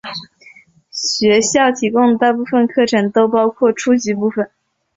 学校提供的大部分课程都包括初级部分。